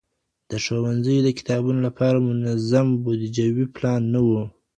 د ښوونځیو د کتابتونو لپاره منظم بودیجوي پلان نه و.